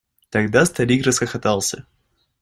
Тогда старик расхохотался.